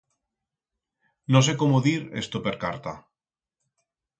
No sé cómo dir esto per carta.